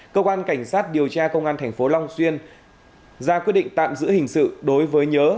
cơ quan cảnh sát điều tra công an tp long xuyên ra quyết định tạm giữ hình sự đối với nhớ